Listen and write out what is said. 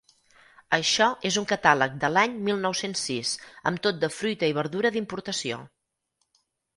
Això és un catàleg de l'any mil nou-cents sis amb tot de fruita i verdura d'importació.